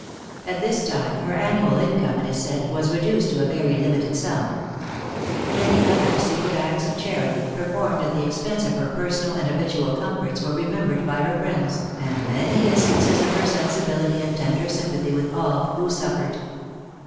At this time her annual income, it is said, was reduced to a very limited sum. Many other secret acts of charity, performed at the expense of her personal and habitual comforts were remembered by her friends, and many instances of her sensibility and tender sympathy with all who suffered.